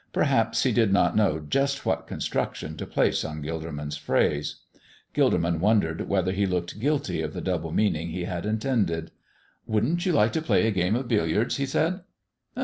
Perhaps he did not know just what construction to place on Gilderman's phrase. Gilderman wondered whether he looked guilty of the double meaning he had intended. "Wouldn't you like to play a game of billiards?" he said.